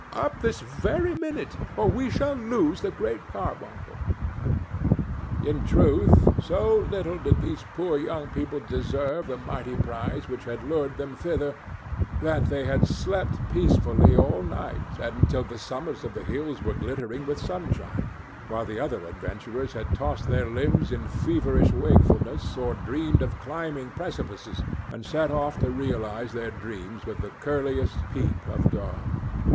Up this very minute, or we shall lose the Great Carbuncle!" In truth, so little did these poor young people deserve the mighty prize which had lured them thither that they had slept peacefully all night and till the summits of the hills were glittering with sunshine, while the other adventurers had tossed their limbs in feverish wakefulness or dreamed of climbing precipices, and set off to realize their dreams with the curliest peep of dawn.